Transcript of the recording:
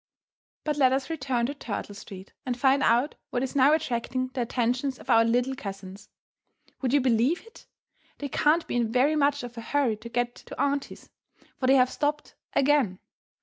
But let us return to Turtle Street and find out what is now attracting the attentions of our little cousins. Would you believe it? They can't be in very much of a hurry to get to aunty's, for they have stopped again.